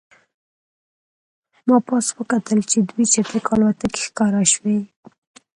ما پاس وکتل چې دوې چټکې الوتکې ښکاره شوې